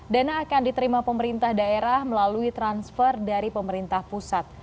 dana akan diterima pemerintah daerah melalui transfer dari pemerintah pusat